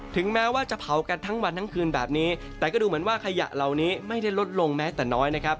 ถึงแม้ว่าจะเผากันทั้งวันทั้งคืนแบบนี้แต่ก็ดูเหมือนว่าขยะเหล่านี้ไม่ได้ลดลงแม้แต่น้อยนะครับ